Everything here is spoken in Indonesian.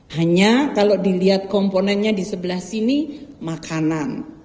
hanya kalau dilihat komponennya di sebelah sini makanan